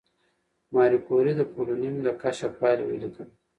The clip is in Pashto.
ماري کوري د پولونیم د کشف پایله ولیکله.